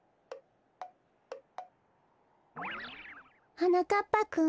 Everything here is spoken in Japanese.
はなかっぱくん。